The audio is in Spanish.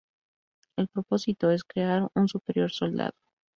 El propósito es crear un superior soldado.